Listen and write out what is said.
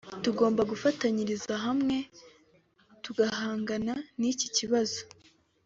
tugomba gufatanyiriza hamwe tugahangana n’iki kibazo